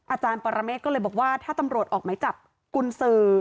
อาจารย์ปรเมฆก็เลยบอกว่าถ้าตำรวจออกไหมจับกุญสือ